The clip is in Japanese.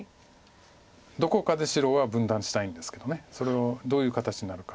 どこかで白は分断したいんですけどそれをどういう形なのか。